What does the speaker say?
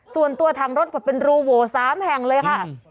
ส่วนตัวทางรถเปิดเป็นรูโหวสามแห่งเลยค่ะ